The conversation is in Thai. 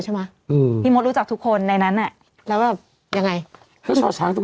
ใช่ไหมอืมพี่มดรู้จักทุกคนในนั้นอ่ะแล้วแบบยังไงแล้วชาวช้างทุก